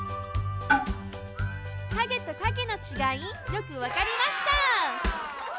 「陰」と「影」のちがいよくわかりました！